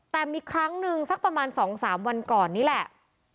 แต่มีครั้งหนึ่งสักประมาณ๒๓วันก่อนนี่แหละ